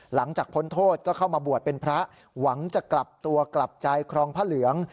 หลังจากพ้นโทษก็เข้ามาบวชเป็นพระหวังจะกลับตัวกลับใจครองพระเหลือง